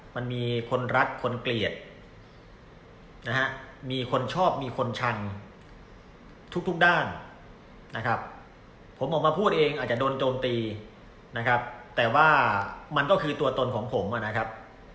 มันมีคนรักคนเกลียดนะฮะมีคนชอบมีคนชังทุกด้านนะครับผมออกมาพูดเองอาจจะโดนโจมตีนะครับแต่ว่ามันก็คือตัวตนของผมนะครับ